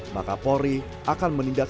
maka polri akan menindakkan